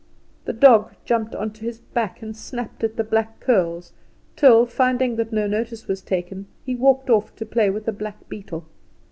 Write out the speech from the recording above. The dog jumped on to his back and snapped at the black curls, till, finding that no notice was taken, he walked off to play with a black beetle.